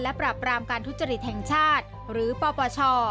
และปรับรามการทุจริตแห่งชาติหรือปปช